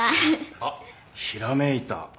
あっひらめいた。